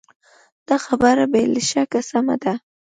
دا خبره بې له شکه سمه ده.